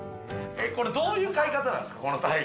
どういう買い方なんですか？